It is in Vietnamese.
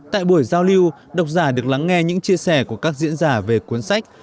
tại buổi giao lưu độc giả được lắng nghe những chia sẻ của các diễn giả về cuốn sách